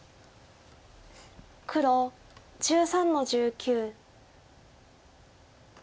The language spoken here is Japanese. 黒１３の十九。